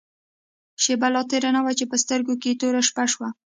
شېبه لا تېره نه وه چې په سترګو يې توره شپه شوه.